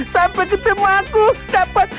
sampai ketemu aku dapat